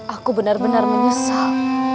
aku benar benar menyesal